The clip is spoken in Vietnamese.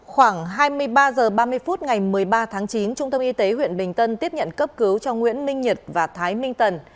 khoảng hai mươi ba h ba mươi phút ngày một mươi ba tháng chín trung tâm y tế huyện bình tân tiếp nhận cấp cứu cho nguyễn minh nhật và thái minh tần